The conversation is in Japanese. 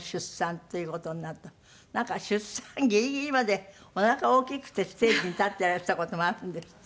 なんか出産ギリギリまでおなか大きくてステージに立っていらした事もあるんですって？